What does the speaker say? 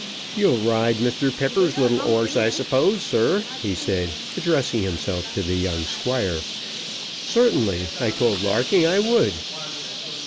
"You'll ride Mr. Pepper's little 'orse, I suppose, sir?" he said, addressing himself to the young Squire. "Certainly, I told Larking I would."